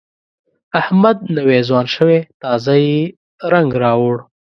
احمد نوی ځوان شوی، تازه یې رنګ راوړ.